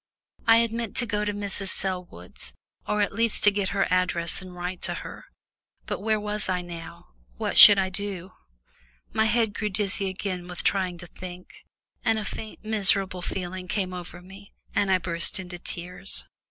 I had meant to go to Mrs. Selwood's, or at least to get her address and write to her but where was I now? what should I do? My head grew dizzy again with trying to think, and a faint miserable feeling came over me and I burst into tears.